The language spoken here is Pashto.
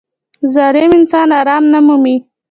• ظالم انسان آرام نه مومي.